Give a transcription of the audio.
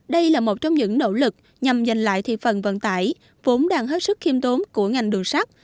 đây là một trong những nỗ lực nhằm giành lại thị phần vận tải vốn đang hết sức khiêm tốn của ngành đường sắt